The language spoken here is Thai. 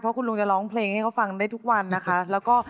เพราะคุณลุงจะร้องเพลงให้เขาฟังได้ทุกวันนะคะ